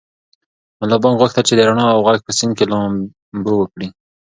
ملا بانګ غوښتل چې د رڼا او غږ په سیند کې لامبو وکړي.